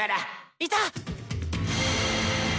いた！